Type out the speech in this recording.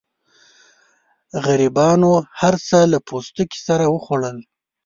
غریبانو هرڅه له پوستکو سره وخوړل.